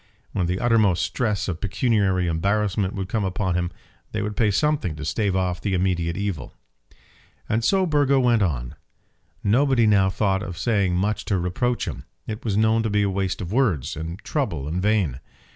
When the uttermost stress of pecuniary embarrassment would come upon him, they would pay something to stave off the immediate evil. And so Burgo went on. Nobody now thought of saying much to reproach him. It was known to be waste of words, and trouble in vain.